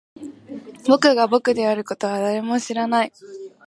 僕が僕であることは誰も知らない